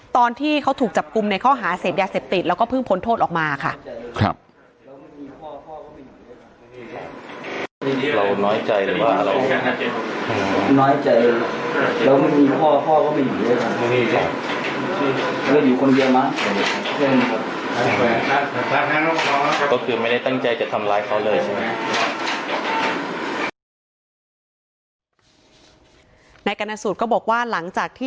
ตอนที่เขาถูกจับกลุ่มในข้อหาเสพยาเสพติดแล้วก็เพิ่งพ้นโทษออกมาค่ะ